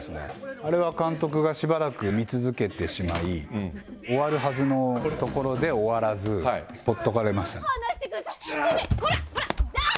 あれは、監督がしばらく見続けてしまい、終わるはずのところで終わらず、ほっとかれました。